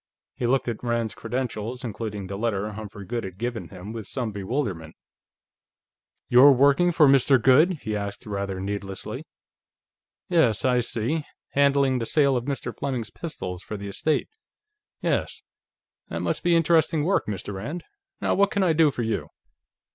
He looked at Rand's credentials, including the letter Humphrey Goode had given him, with some bewilderment. "You're working for Mr. Goode?" he asked, rather needlessly. "Yes, I see; handling the sale of Mr. Fleming's pistols, for the estate. Yes. That must be interesting work, Mr. Rand. Now, what can I do for you?"